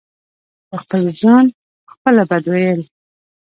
په خپل ځان په خپله بد وئيل